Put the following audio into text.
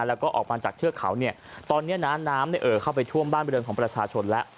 แล้วก็ออกมาจากเทือกเขาเนี่ยตอนนี้น้ำน้ำเนี่ยเอ่อเข้าไปท่วมบ้านบริเวณของประชาชนแล้ว